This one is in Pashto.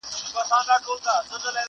ته جرس په خوب وینه او سر دي ښوروه ورته!!